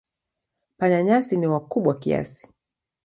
Panya-nyasi ni wakubwa kiasi.